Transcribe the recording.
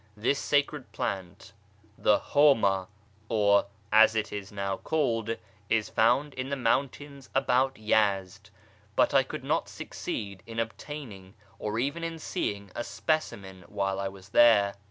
This sacred plant (the Iwma, or hum, as it is now called) is found in the mountains about Yezd, but I could not succeed in obtain ing or even in seeing a specimen while I was there.